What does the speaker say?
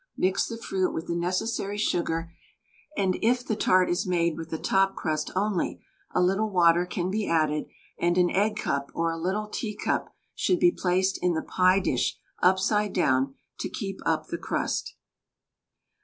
Mix the fruit with the necessary sugar, and it the tart is made with a top crust only, a little water can be added and an egg cup or a little tea cup should be placed in the pie dish upside down to keep up the crust.